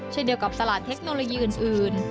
เช่นเดียวกับตลาดเทคโนโลยีอื่น